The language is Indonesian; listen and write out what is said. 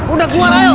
udah keluar ayo